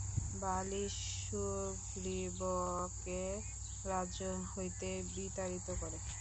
বালী সুগ্রীবকে রাজ্য হইতে বিতাড়িত করে।